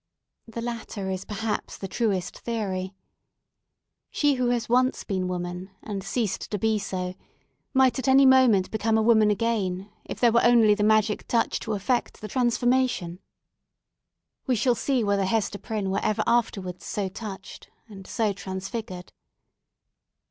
The latter is perhaps the truest theory. She who has once been a woman, and ceased to be so, might at any moment become a woman again, if there were only the magic touch to effect the transformation. We shall see whether Hester Prynne were ever afterwards so touched and so transfigured.